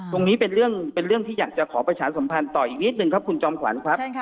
ตรงนี้เป็นเรื่องที่อยากจะขอประชาสัมพันธ์ต่ออีกนิดนึงครับคุณจอมขวัญครับ